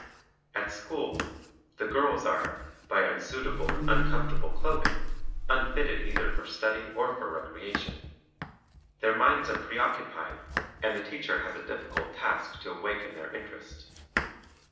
At school, the girls are by unsuitable and uncomfort able clothing unfitted either for study or for recreation. Their minds are preoccupied, and the teacher has a difficult task to awaken their interest.